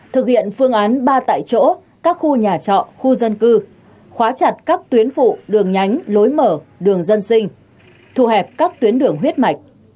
thực hiện phương án ba tại chỗ các khu nhà trọ khu dân cư khóa chặt các tuyến phụ đường nhánh lối mở đường dân sinh thu hẹp các tuyến đường huyết mạch